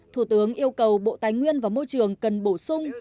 thủ tướng yêu cầu bộ tài nguyên và môi trường cần bổ sung